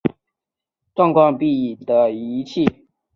透地雷达是以雷达脉冲波探测地表以下状况并的仪器。